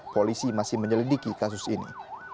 polisi masih menyelidiki kasus ini